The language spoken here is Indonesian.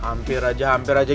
hampir aja hampir aja